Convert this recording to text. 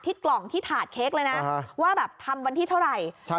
กล่องที่ถาดเค้กเลยนะว่าแบบทำวันที่เท่าไหร่